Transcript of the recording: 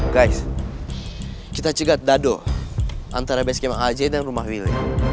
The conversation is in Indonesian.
guys kita cegat dado antara basecamp aj dan rumah will ya